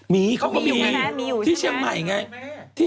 มีเขาก็มีอยู่ที่เชียงใหม่ไง